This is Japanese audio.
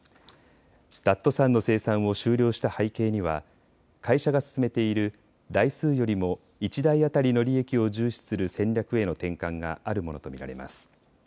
ダットサンの生産を終了した背景には会社が進めている台数よりも１台当たりの利益を重視する戦略への転換があるものと見られます。